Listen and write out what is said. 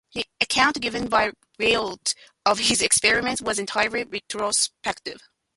The account given by Reade of his experiments was entirely retrospective.